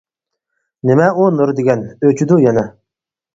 نېمە ئۇ نۇر دېگەن، ئۆچىدۇ يەنە.